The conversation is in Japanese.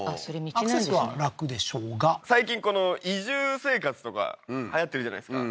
アクセスは楽でしょうが最近この移住生活とかはやってるじゃないですか